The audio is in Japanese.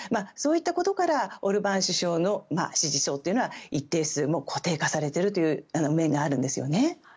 そういったことからオルバーン首相の支持層は一定数、固定化されているという面があるんですね。